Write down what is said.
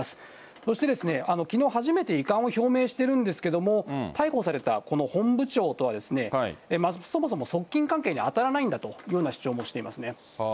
そしてきのう初めて遺憾を表明しているんですけれども、逮捕されたこの本部長とは、そもそも側近関係に当たらないんだというような主張もしていますね。